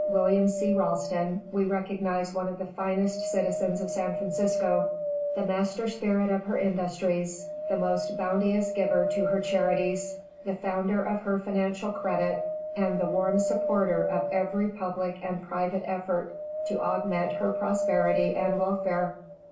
William C. Ralston, we recognize one of the first citizens of San Francisco, the master spirit of her industries, the most bounteous giver to her charities, the founder of her financial credit, and the warm supporter of every public and private effort to augment her prosperity and welfare.